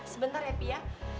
sebentar ya pia